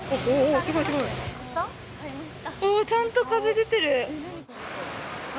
ああ、ちゃんと風出てる。